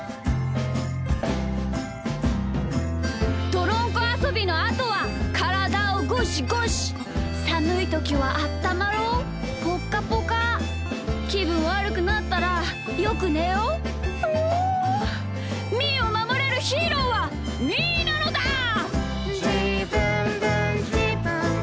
「どろんこあそびのあとはからだをゴシゴシ」「さむいときはあったまろうぽっかぽか」「きぶんわるくなったらよくねよう！」「みーをまもれるヒーローはみーなのだー！」